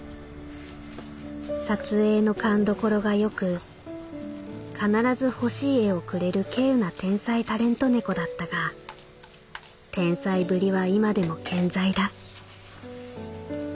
撮影の勘所がよく必ず欲しい画をくれる希有な天才タレント猫だったが天才ぶりは今でも健在だ」。